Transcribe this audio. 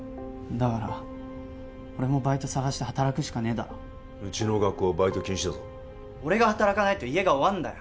だから俺もバイト探して働くしかねえだろうちの学校はバイト禁止だぞ俺が働かないと家が終わんだよ！